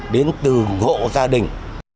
đến từng hộ gia đình